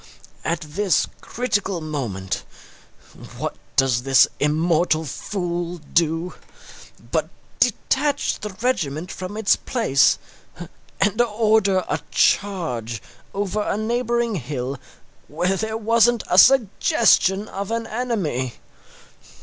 At this critical moment, what does this immortal fool do but detach the regiment from its place and order a charge over a neighbouring hill where there wasn't a suggestion of an enemy!